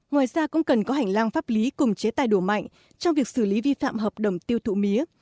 ngoài ra cũng cần có hành lang pháp lý cùng chế tài đủ mạnh trong việc xử lý vi phạm hợp đồng tiêu thụ mía